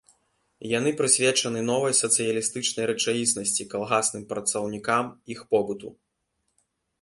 Яны прысвечаны новай сацыялістычнай рэчаіснасці, калгасным працаўнікам, іх побыту.